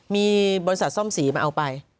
มีบริษัทซ่อมสีมาเอาไป